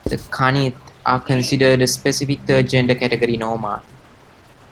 The "khanith" are considered a specific third gender category in Oman.